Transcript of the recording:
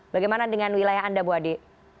bagaimana dengan wilayah anda bu ade